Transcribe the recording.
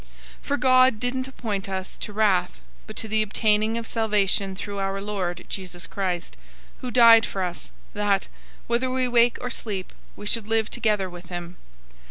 005:009 For God didn't appoint us to wrath, but to the obtaining of salvation through our Lord Jesus Christ, 005:010 who died for us, that, whether we wake or sleep, we should live together with him.